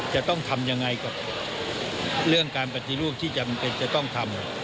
จะต้องทำยังไงกับเรื่องการปฏิรูปที่จำเป็นจะต้องทำ